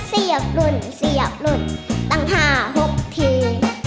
เสียบรุ่นเสียบรุ่นตั้ง๕๖ที